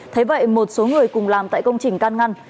thế vậy một số người cùng làm tại công trình can ngăn